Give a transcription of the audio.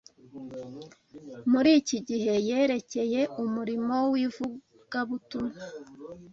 muri iki gihe yerekeye umurimo w’ivugabutumwa